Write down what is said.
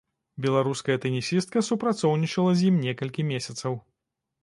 Беларуская тэнісістка супрацоўнічала з ім некалькі месяцаў.